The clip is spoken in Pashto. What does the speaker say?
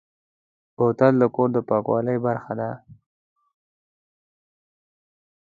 بوتل د کور د پاکوالي برخه ده.